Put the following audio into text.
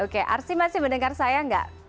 oke arsy masih mendengar saya gak